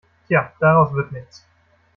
Tja, daraus wird nichts.